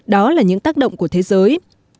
đó là những tác động của thế giới